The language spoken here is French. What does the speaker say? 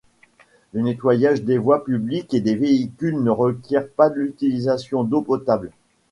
Le nettoyage des voies publiques et des véhicules ne requiert pas l'utilisation d'eau potable.